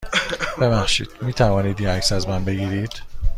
ببخشید، می توانید یه عکس از من بگیرید؟